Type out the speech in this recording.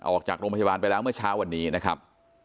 ออกจากโรงพยาบาลไปแล้วเมื่อเช้าวันนี้นะครับ